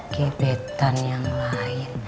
kebetan yang lain